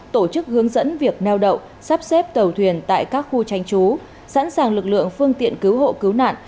tổ chức hướng dẫn việc neo đậu sắp xếp tàu thuyền tại các khu tranh trú sẵn sàng lực lượng phương tiện cứu hộ cứu nạn